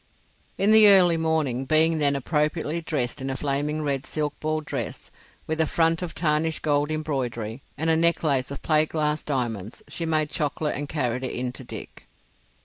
In the early morning, being then appropriately dressed in a flaming red silk ball dress, with a front of tarnished gold embroidery and a necklace of plate glass diamonds, she made chocolate and carried it in to Dick.